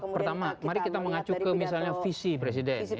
pertama mari kita mengacu ke misalnya visi presiden